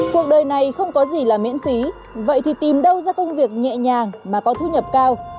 cuộc đời này không có gì là miễn phí vậy thì tìm đâu ra công việc nhẹ nhàng mà có thu nhập cao